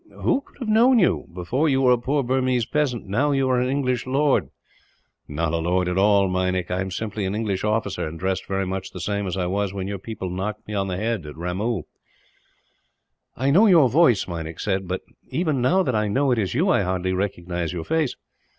"Who could have known you? Before you were a poor Burmese peasant, now you are an English lord." "Not a lord at all, Meinik. I am simply an English officer, and dressed very much the same as I was when your people knocked me on the head, at Ramoo." "I know your voice," Meinik said; "but even now that I know it is you, I hardly recognize your face.